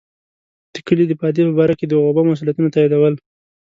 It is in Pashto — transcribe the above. د کلي د پادې په باره کې د غوبه مسوولیتونه تاییدول.